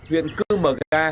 huyền cư mở ra